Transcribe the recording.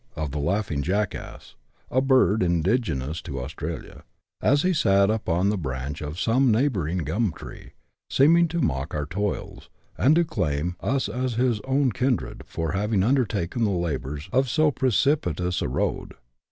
of the " laughing jackass " (a bird indigenous to Australia), as he sat upon the branch of some neighbouring gum tree, seeming to mock our toils, and to claim us as his own kindred for having undertaken the labours of so precipitous a road.